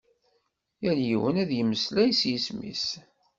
Yal yiwen ad yemmeslay s yisem-is.